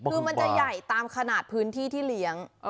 คือมันจะใหญ่ตามขนาดพื้นที่ที่เลี้ยง